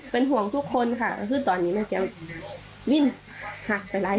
เป็นห่วงทุกคนค่ะคือตอนนี้แจ้มวิ่นหลายคนหน่อย